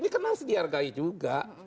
ini dihargai juga